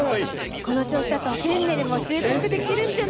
この調子だとフェンネルも収穫できるんじゃないですか？